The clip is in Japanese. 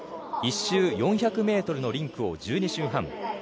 １周４００ｍのリンクを１２周半。